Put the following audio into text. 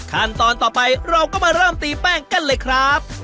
ขั้นตอนต่อไปเราก็มาเริ่มตีแป้งกันเลยครับ